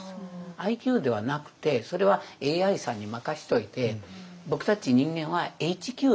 ＩＱではなくてそれはＡＩさんに任せておいて僕たち人間はＨＱだと。